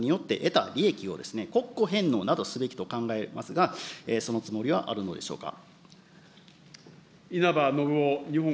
であれば今回の違反によって得た利益を国庫返納などすべきと考えますが、そのつもりはあるのでしょうか。